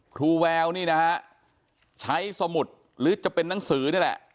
ครูแววใช้สมุดหรือจะเป็นนังสือนี่แหละ